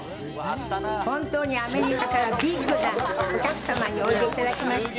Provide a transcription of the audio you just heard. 本当にアメリカからビッグなお客様においで頂きました。